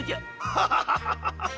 ハハハハ！